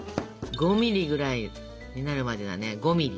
５ｍｍぐらいになるまでだね５ｍｍ。